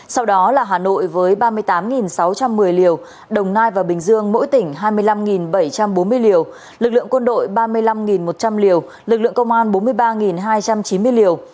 sau đó là hà nội với ba mươi tám sáu trăm một mươi liều đồng nai và bình dương mỗi tỉnh hai mươi năm bảy trăm bốn mươi liều lực lượng quân đội ba mươi năm một trăm linh liều lực lượng công an bốn mươi ba hai trăm chín mươi liều